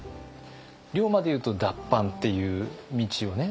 龍馬でいうと脱藩っていう道をね